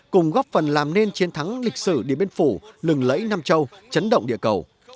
cùng góp phần làm nên chiến thắng lịch sử điện biên phủ lừng lẫy nam châu chấn động địa cầu